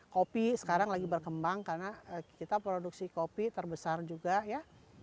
kopi sekarang lagi berkembang karena kita produksi kopi terbesar juga ya